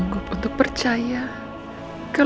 akan demais akhirnya egos